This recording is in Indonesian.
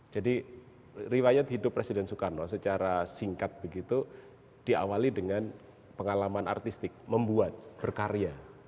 jadi riwayat hidup presiden soekarno secara singkat begitu diawali dengan pengalaman artistik membuat berkarya